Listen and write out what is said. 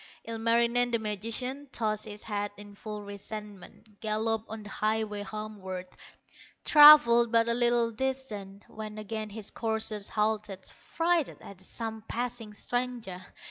Ilmarinen, the magician, Tossed his head in full resentment, Galloped on the highway homeward; Travelled but a little distance, When again his courser halted, Frighted at some passing stranger.